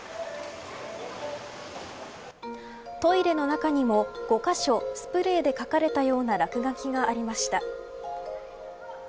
トイレの中にも５カ所スプレーで書かれたような落書きがありました。